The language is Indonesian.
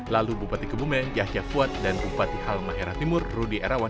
lalu bupati kebumeng yahya fuad dan bupati halma era timur rudy erawan